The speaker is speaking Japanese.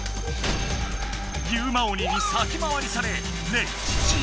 ユウマ鬼に先回りされレイ